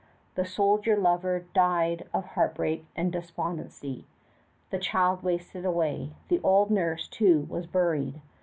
The soldier lover died of heartbreak and despondency. The child wasted away. The old nurse, too, was buried.